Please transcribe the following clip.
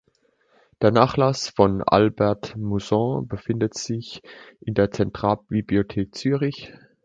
Der Nachlass von Albert Mousson befindet sich in der Zentralbibliothek Zürich.